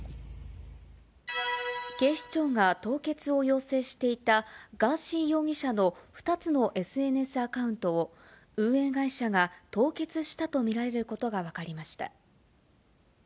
警視庁が凍結を要請していた、ガーシー容疑者の２つのＳＮＳアカウントを、運営会社が凍結したと見られることが分かりました。